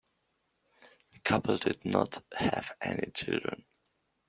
The couple did not have any children.